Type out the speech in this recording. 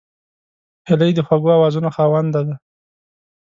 هیلۍ د خوږو آوازونو خاوند ده